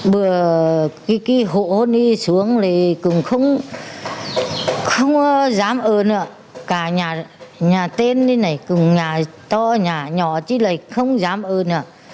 bữa cái hộ đi xuống thì cũng không dám ơn ạ cả nhà tên này nhà to nhà nhỏ chứ lại không dám ơn ạ